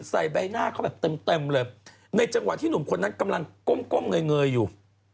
ใบหน้าเขาแบบเต็มเลยในจังหวะที่หนุ่มคนนั้นกำลังก้มเงยอยู่